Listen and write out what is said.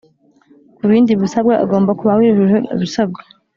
Kubindi bisabwa agomba kubayujuje ibisabwa